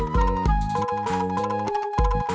ngu denga di loy nih merah